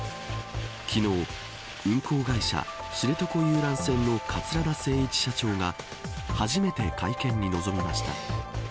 昨日、運航会社知床遊覧船の桂田精一社長が初めて会見に臨みました。